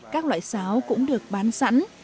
các loại sáo cũng được bán sẵn